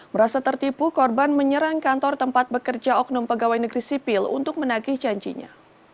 merasa tertipu korban menyerang kantor tempat bekerja oknum pegawai negeri sipil untuk menagih janjinya